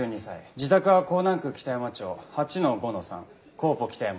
自宅は港南区北山町８の５の３コーポ北山２０１。